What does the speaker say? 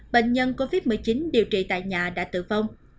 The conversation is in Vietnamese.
bệnh nhân covid một mươi chín điều trị tại nhà đã tử vong